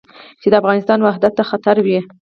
چې د افغانستان وحدت ته خطر وي.